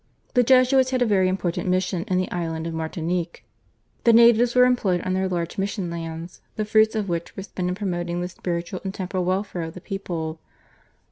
The Jesuits had a very important mission in the island of Martinique. The natives were employed on their large mission lands, the fruits of which were spent in promoting the spiritual and temporal welfare of the people.